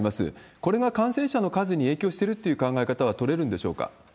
これが感染者の数に影響してるって考え方は取れるんでしょうか。